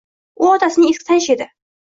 U otasining eski tanishi edi